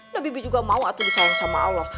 nah bibi juga mau atuh disayang sama allah